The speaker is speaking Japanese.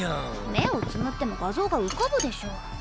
目をつむっても画像が浮かぶでしょ。